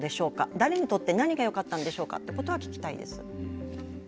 誰にとって何がよかったんでしょうかということは聞きたいです。